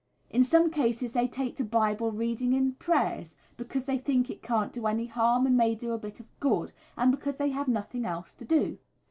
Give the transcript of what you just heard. In some cases they take to Bible reading and prayers, because they think "it can't do any harm, and may do a bit of good," and because they have nothing else to do.